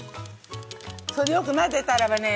◆それでよく混ぜたてればね。